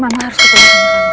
mama harus ke rumah